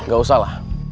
gak usah lah